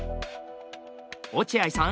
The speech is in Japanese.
落合さん